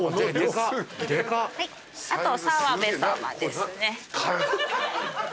あと澤部さまですね。